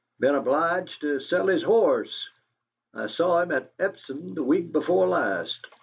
Been obliged to sell his horse. I saw him at Epsom the week before last."